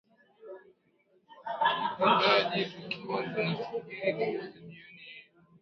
kilizaji tukiwa tunasubiri kabisa jioni hii